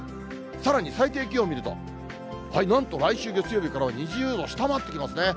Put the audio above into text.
さらに最低気温を見ると、なんと来週月曜日からは２０度下回ってきますね。